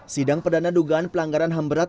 sidang perdana dugaan pelanggaran hamberat